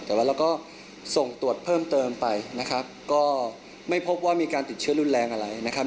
แต่ว่าเราก็ส่งตรวจเพิ่มเติมไปนะครับก็ไม่พบว่ามีการติดเชื้อรุนแรงอะไรนะครับ